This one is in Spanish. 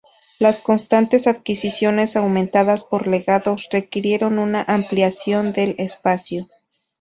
Las constantes adquisiciones, aumentadas por legados, requirieron una ampliación del espacio.